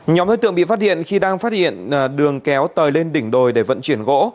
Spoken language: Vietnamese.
nhóm đối tượng bị phát hiện khi đang phát hiện đường kéo tời lên đỉnh đồi để vận chuyển gỗ